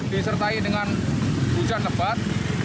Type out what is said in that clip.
disertai dengan hujan lebat